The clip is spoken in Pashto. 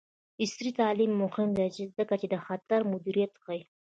عصري تعلیم مهم دی ځکه چې د خطر مدیریت ښيي.